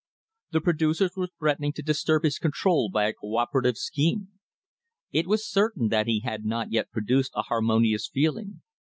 The pro ducers were threatening to disturb his control by a co opera tive scheme. It was certain that he had not yet produced a "harmonious feeling."